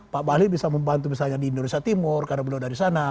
pak bahlil bisa membantu misalnya di indonesia timur karena beliau dari sana